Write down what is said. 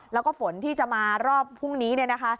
แล้วก็ฝนที่จะมารอบพรุ่งนี้เนี่ยนะคะ